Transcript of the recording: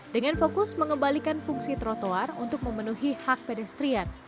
dengan fokus mengembalikan fungsi trotoar untuk memenuhi hak pedestrian